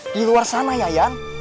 di luar sana ya yang